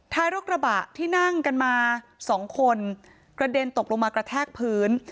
รกระบะที่นั่งกันมาสองคนกระเด็นตกลงมากระแทกพื้น